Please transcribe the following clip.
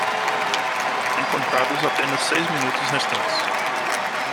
Encontrados apenas seis minutos restantes